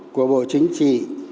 của bộ chính trị